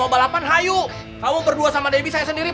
bapak mau geser